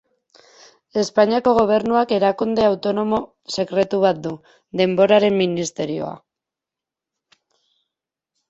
Espainiako Gobernuak erakunde autonomo sekretu bat du: Denboraren Ministerioa.